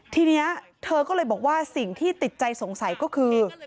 ทีนี้เธอก็เลยบอกว่าสิ่งที่ติดใจสงสัยก็คือ